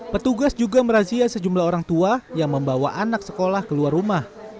petugas juga merazia sejumlah orang tua yang membawa anak sekolah keluar rumah